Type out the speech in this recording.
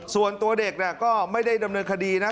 ส่วนตัวเด็กก็ไม่ได้ดำเนินคดีนะ